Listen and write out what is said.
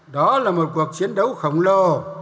đó là một cuộc chiến đấu khổng lồ